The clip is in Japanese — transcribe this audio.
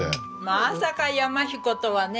まさか山ひことはね。